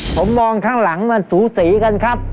ผมมองข้างหลังมันสูสีกันครับ